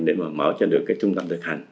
để mà mở cho được cái trung tâm thực hành